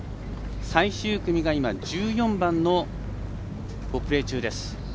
最終組が１４番をプレー中です。